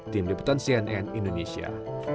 tim liputan cnn indonesia